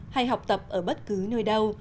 hay học tập ở bất cứ nơi đâu